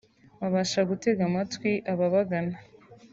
babasha gutega amatwi ababagana